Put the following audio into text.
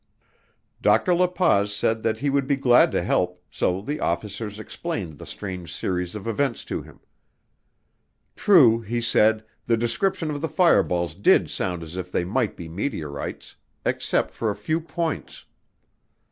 Dr. La Paz said that he would be glad to help, so the officers explained the strange series of events to him. True, he said, the description of the fireballs did sound as if they might be meteorites except for a few points.